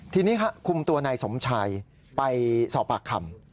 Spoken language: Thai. ทีนี้คุมตัวนายสมชัยไปสอบปากคำ